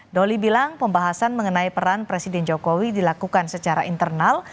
doli bilang pembahasan mengenai peran presiden jokowi dilakukan secara internal